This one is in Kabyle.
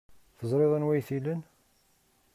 Teẓriḍ anwa ay t-ilan?